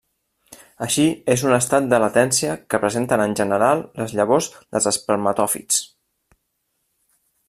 Així, és un estat de latència que presenten en general les llavors dels espermatòfits.